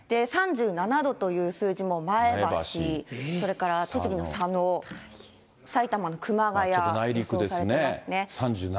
３７度という数字も前橋、それから栃木の佐野、埼玉の熊谷、ちょっと内陸ですね。